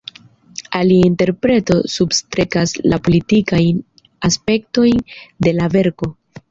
Alia interpreto substrekas la politikajn aspektojn de la verko.